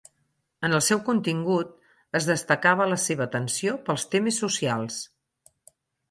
En el seu contingut, es destacava la seva atenció pels temes socials.